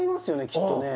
きっとね